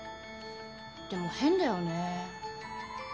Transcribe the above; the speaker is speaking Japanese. でも変だよね。